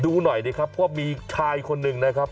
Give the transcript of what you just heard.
ดูหน่อยดีครับว่ามีชายคนหนึ่งนะครับ